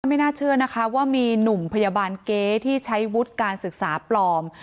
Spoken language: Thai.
ไม่น่าเชื่อนะคะว่ามีหนุ่มพยาบาลเก๊ที่ใช้วุฒิการศึกษาปลอม